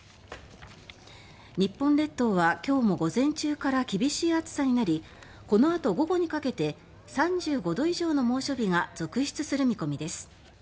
日本列島は今日も午前中から厳しい暑さになりこのあと午後にかけて３５度以上の猛暑日が続出する見込みです。